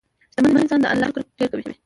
شتمن انسان د الله شکر ډېر کوي.